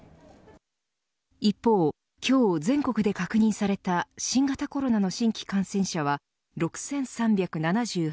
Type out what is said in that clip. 一方、今日、全国で確認された新型コロナの新規感染者は６３７８人。